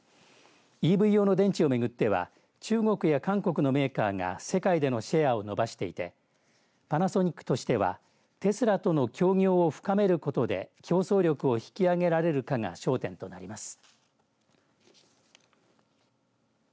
ＥＶ用の電池を巡っては中国や韓国のメーカーが世界でのシェアを伸ばしていてパナソニックとしてはテスラとの協業を深めることで競争力を引き上げられるかが焦点となります。